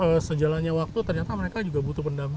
ya tapi sejalannya waktu ternyata mereka juga butuh pendamping